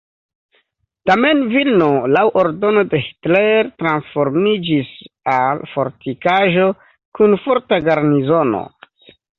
Tamen Vilno laŭ ordono de Hitler transformiĝis al fortikaĵo kun forta garnizono.